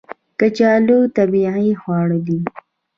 کچالو طبیعي خواړه دي